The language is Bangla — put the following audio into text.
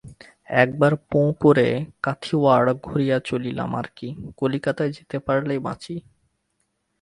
একবার পোঁ করে কাথিয়াওয়াড় ঘুড়িয়া চলিলাম আর কি! কলিকাতায় যেতে পারিলেই বাঁচি।